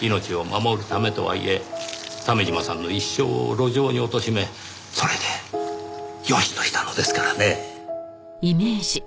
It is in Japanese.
命を守るためとはいえ鮫島さんの一生を路上に貶めそれでよしとしたのですからねぇ。